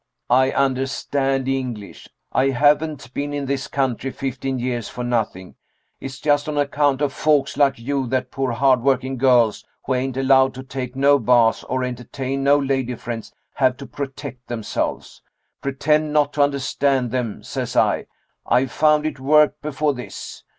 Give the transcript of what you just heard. "I understand English. I haven't been in this country fifteen years for nothing. It's just on account of folks like you that poor hard working girls, who ain't allowed to take no baths or entertain no lady friends, have to protect themselves. Pretend not to understand them, says I. I've found it worked before this.